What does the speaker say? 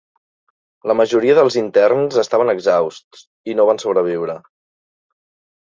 La majoria dels interns estaven exhausts i no van sobreviure.